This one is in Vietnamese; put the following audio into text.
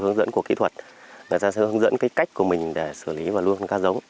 người ta sẽ hướng dẫn cách của mình để xử lý và lưu hướng ca giống